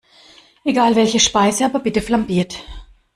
Egal welche Speise, aber bitte flambiert!